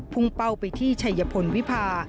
พุ่งเป้าไปที่ชายพลวิพา